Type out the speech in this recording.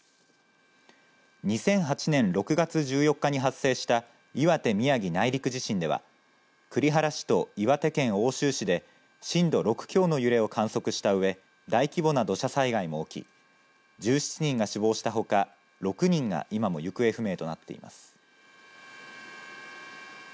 ２００８年６月１４日に発生した岩手・宮城内陸地震では栗原市と岩手県奥州市で震度６強の揺れを観測したうえ大規模な土砂災害が起き１７人が死亡したほか６人が今も行方不明となっています。